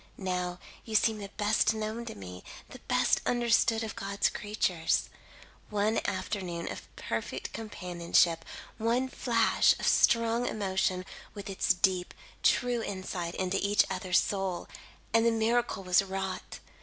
Now, you seem the best known to me, the best understood, of God's creatures. One afternoon of perfect companionship one flash of strong emotion, with its deep, true insight into each other's soul, and the miracle was wrought.